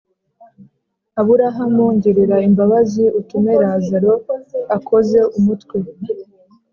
Aburahamu ngirira imbabazi utume Lazaro akoze umutwe